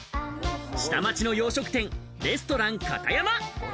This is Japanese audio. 下町の洋食店、レストランカタヤマ。